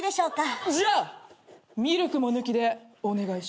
じゃあミルクも抜きでお願いします。